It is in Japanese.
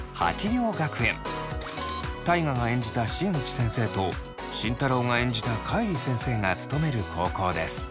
大我が演じた新内先生と慎太郎が演じた海里先生が勤める高校です。